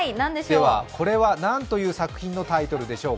これは何という作品のタイトルでしょうか。